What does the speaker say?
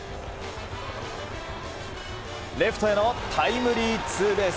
レフトへのタイムリーツーベース。